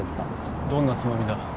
どんなつまみだ？